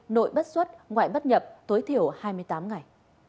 nội bất xuất ngoại bất nhập tối thiểu hai mươi tám ngày